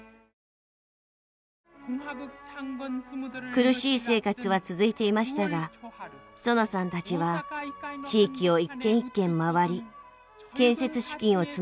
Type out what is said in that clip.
苦しい生活は続いていましたがソナさんたちは地域を一軒一軒回り建設資金を募りました。